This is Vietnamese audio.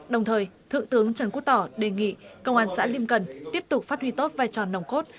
đồng thời thượng tướng trần quốc tỏ đề nghị công an xã liêm cần tiếp tục phát huy tốt vai trò nồng cốt